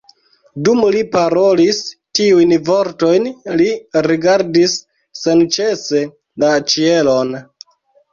Dum li parolis tiujn vortojn, li rigardis senĉese la ĉielon.